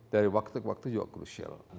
dari waktu ke waktu juga krusial